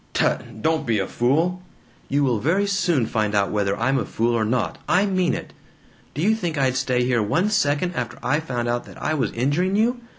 "Tut! Don't be a fool!" "You will very soon find out whether I'm a fool or not! I mean it! Do you think I'd stay here one second after I found out that I was injuring you?